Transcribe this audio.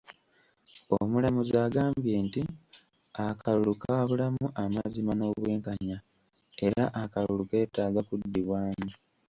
Omulamuzi agambye nti akalulu kaabulamu amazima n’obwenkanya era akalulu keetaaga kuddibwamu.